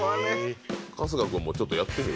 春日君もちょっとやってみる？